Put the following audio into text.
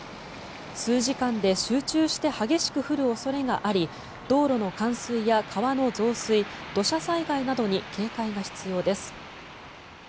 数時間で集中して激しく降る恐れがあり道路の冠水や川の増水土砂災害などに警戒が必要です。